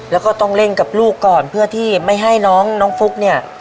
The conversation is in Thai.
แล้วก็ต้องเล่นกับลูกก่อนเพื่อที่ไม่ให้น้องน้องฟุ๊กเนี่ย